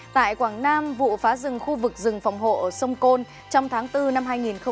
tại quảng nam vụ phá rừng khu vực rừng phòng hộ ở sông côn trong tháng bốn năm hai nghìn một mươi chín